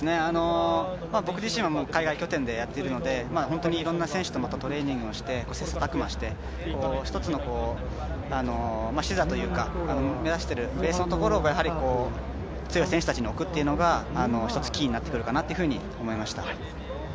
僕自身は海外拠点でやっているのでいろんな選手とトレーニングをして、切磋琢磨して１つの視座というか、目指しているベースのところが強い選手たちに置くというのが一つポイントかなと思いました